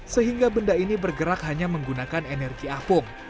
sehingga benda ini bergerak hanya menggunakan energi apung